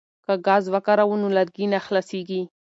که ګاز وکاروو نو لرګي نه خلاصیږي.